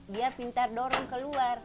dia pintar dorong keluar